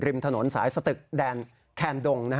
ริมถนนสายสตึกแดนแคนดง